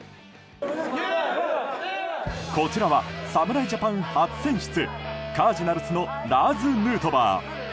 こちらは侍ジャパン初選出カージナルスのラーズ・ヌートバー。